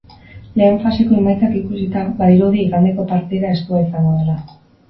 Lehen faseko emaitzak ikusita, badirudi igandeko partida estua izango dela.